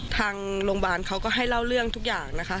ทางรวงบ้านเค้าก็ให้เล่าเรื่องทุกอย่างนะคะ